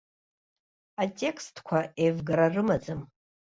Атекстқәа евгара рымаӡам.